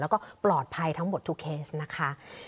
แล้วก็ปลอดภัยทั้งหมดทุกเคสนะคะ